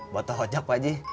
buat toh ojak pak ji